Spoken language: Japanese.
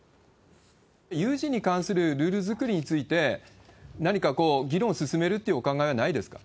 有事に関するルール作りについて、何かこう、議論進めるっていうお考えはないですか？